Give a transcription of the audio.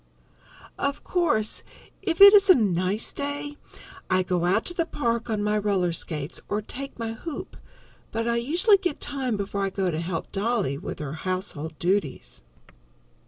Of course, if it is a nice day, I go out to the park on my roller skates, or take my hoop, but I usually get time before I go to help Dolly with her household duties.